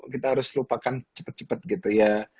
kita harus lupakan cepet cepet gitu ya